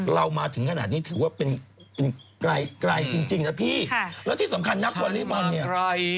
เรามาถึงขนาดนี้ถือว่าเป็นไกลจริงนะพี่แล้วที่สำคัญนักวอเล่บอลเนี่ย